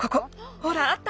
ほらあった。